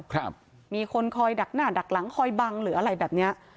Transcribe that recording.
ครับมีคนคอยดักหน้าดักหลังคอยบังหรืออะไรแบบเนี้ย